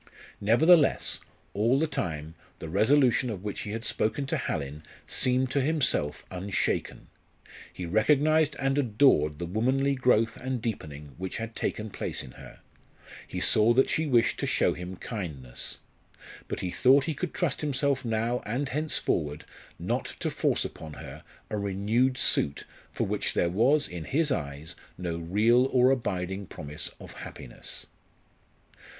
Nevertheless, all the time, the resolution of which he had spoken to Hallin seemed to himself unshaken. He recognised and adored the womanly growth and deepening which had taken place in her; he saw that she wished to show him kindness. But he thought he could trust himself now and henceforward not to force upon her a renewed suit for which there was in his eyes no real or abiding promise of happiness.